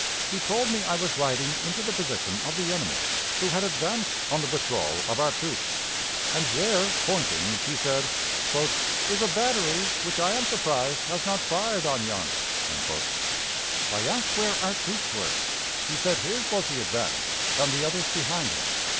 He told me I was riding into the position of the enemy, who had advanced on the withdrawal of our troops, and there, pointing, he said, "is a battery which I am surprised has not fired on yon." I asked where our troops were. He said his was the advance, and the others behind him.